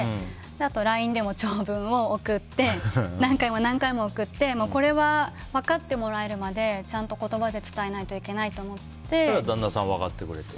あと、ＬＩＮＥでも長文を何回も何回も送ってこれは分かってもらえるまでちゃんと言葉でそしたら旦那さん分かってくれた？